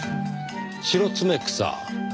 シロツメクサ。